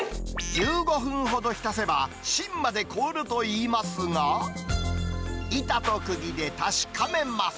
１５分ほど浸せば、芯まで凍るといいますが、板とくぎで確かめます。